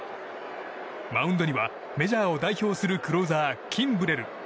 マウンドにはメジャーを代表するクローザー、キンブレル。